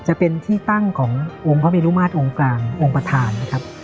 จะเป็นที่ตั้งขององค์พระเมรุมาตรองค์กลางองค์ประธานนะครับ